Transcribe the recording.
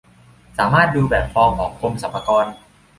สามารถดูแบบฟอร์มของกรมสรรพากร